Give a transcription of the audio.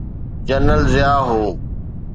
General Zia هو.